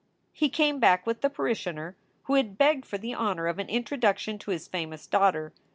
He came back with the parishioner, who had begged for the honor of an introduction to his famous daughter.